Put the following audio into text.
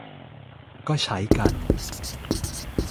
ก็ใช้กัน